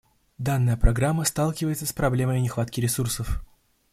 Данная программа сталкивается с проблемой нехватки ресурсов.